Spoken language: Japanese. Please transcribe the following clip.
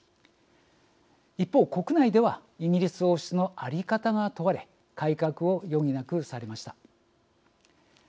一方国内ではイギリス王室の在り方が問われ改革を余儀なくされました。